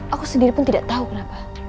aku sendiri pun tidak tahu kenapa